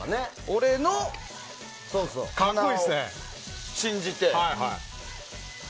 俺の鼻を信じて。